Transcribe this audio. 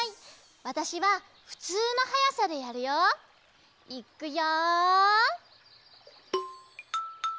わたしはふつうのはやさでやるよ。いくよ！